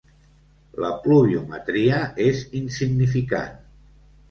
La pluviometria és insignificant.